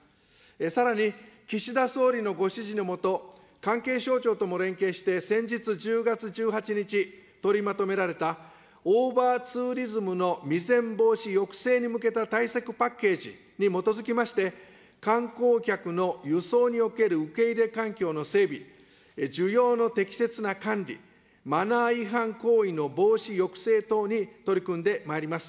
さらに岸田総理のご指示の下、関係省庁とも連携して、先日１０月１８日、取りまとめられたオーバーツーリズムの未然防止抑制に向けた対策パッケージにおきまして、観光客の輸送における受け入れ環境の整備、需要の適切な管理、マナー違反行為の防止抑制等に取り組んでまいります。